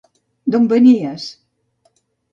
D'on venies?